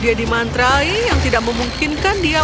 dia dimantrai yang tidak memungkinkan dia